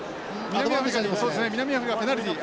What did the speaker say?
南アフリカペナルティー。